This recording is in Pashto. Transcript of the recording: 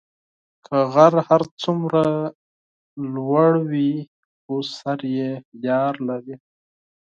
که غر هر څومره لوړی وي، خو سر یې لار لري.